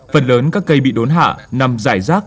phần lớn các cây bị đốn hạ nằm dài rác